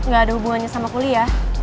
gak ada hubungannya sama kuliah